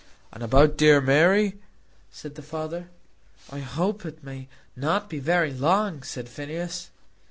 "And about dear Mary?" said the father. "I hope it may not be very long," said Phineas.